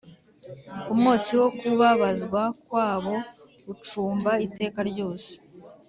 Umwotsi wo kubabazwa kwabo ucumba iteka ryose,